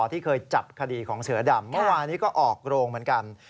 ที่เคยจับคดีของเสือดำเมื่อวานี้ก็ออกโรงเหมือนกัน